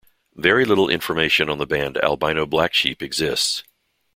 Very little information on the band Albino Blacksheep exists.